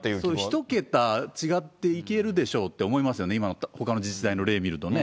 １桁違っていけるでしょうって思いますよね、ほかの自治体の例を見るとね。